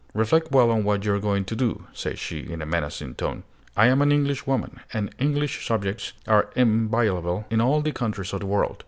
"Reflect well on what you are going to do," said she, in a menacing tone. "I am an Englishwoman, and English subjects are inviolable in all the countries of the world.